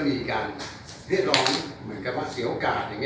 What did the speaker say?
พอไม่ได้ดั่งใจก็ได้เอาเรื่องเหล่านี้ออกมาแชว์